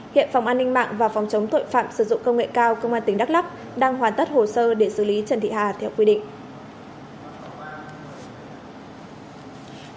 hiện phòng an ninh mạng và phòng chống tội phạm sử dụng công nghệ cao công an tỉnh đắk lắc đang hoàn tất hồ sơ để xử lý trần thị hà theo quy định